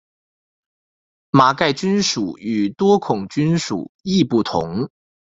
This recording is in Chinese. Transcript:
麻盖菌属与多孔菌属亦不同。